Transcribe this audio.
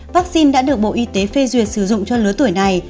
vaccine đã được bộ y tế phê duyệt sử dụng cho lứa tuổi này